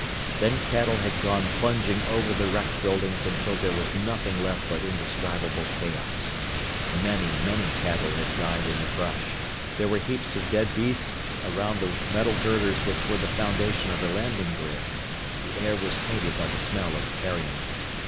Then cattle had gone plunging over the wrecked buildings until there was nothing left but indescribable chaos. Many, many cattle had died in the crush. There were heaps of dead beasts about the metal girders which were the foundation of the landing grid. The air was tainted by the smell of carrion.